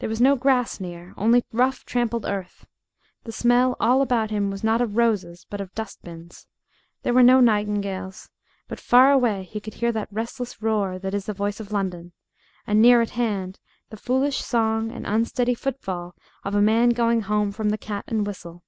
There was no grass near, only rough trampled earth; the smell all about him was not of roses, but of dust bins, and there were no nightingales but far away he could hear that restless roar that is the voice of London, and near at hand the foolish song and unsteady footfall of a man going home from the "Cat and Whistle."